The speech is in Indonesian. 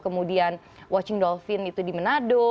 kemudian watching dolphin itu di menado